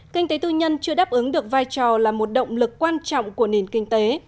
kinh tế tư nhân chưa đáp ứng được vai trò là một động lực quan trọng của nền kinh tế